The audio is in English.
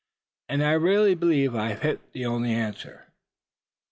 And I really believe I've hit the only answer."